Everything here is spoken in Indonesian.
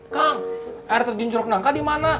kang air terjun curug nangka dimana